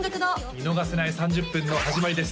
見逃せない３０分の始まりです